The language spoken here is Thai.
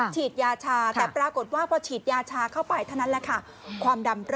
ฉีดยาชาแต่ปรากฏว่าพอฉีดยาชาเข้าไปเท่านั้นแหละค่ะ